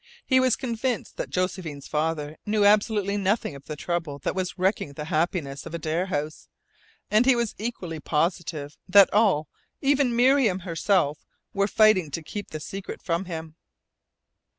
He was convinced that Josephine's father knew absolutely nothing of the trouble that was wrecking the happiness of Adare House, and he was equally positive that all, even Miriam herself, were fighting to keep the secret from him.